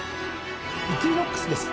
イクイノックスです。